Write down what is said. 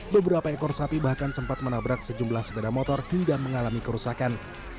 beberapa ekor sapi bahkan sempat menabrak sejumlah sepeda motor hingga mengalami kerusakan